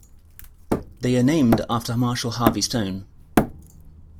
They are named after Marshall Harvey Stone.